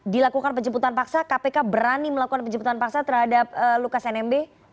dilakukan penjemputan paksa kpk berani melakukan penjemputan paksa terhadap lukas nmb